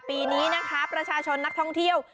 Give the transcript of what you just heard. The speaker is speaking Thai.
ปีนี้นะคะประชาชนนักท่องเที่ยว